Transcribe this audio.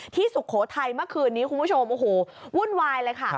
สุโขทัยเมื่อคืนนี้คุณผู้ชมโอ้โหวุ่นวายเลยค่ะ